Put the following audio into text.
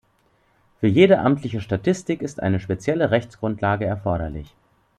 Für jede amtliche Statistik ist eine spezielle Rechtsgrundlage erforderlich.